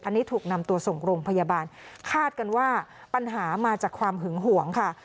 อันนี้ถูกนำตัวส่งโรงพยาบาลคาดกันว่าปัญหามาจากความหึงหวงค่ะ